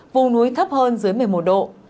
vùng núi thấp hơn dưới một mươi một độ